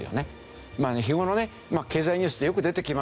日頃ね経済ニュースでよく出てきますよね。